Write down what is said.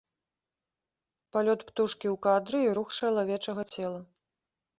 Палёт птушкі ў кадры і рух чалавечага цела.